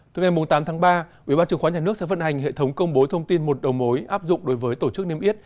từ ngày tám tháng ba ubnd sẽ vận hành hệ thống công bố thông tin một đầu mối áp dụng đối với tổ chức niêm yết